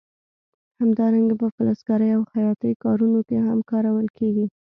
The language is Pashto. همدارنګه په فلزکارۍ او خیاطۍ کارونو کې هم کارول کېږي.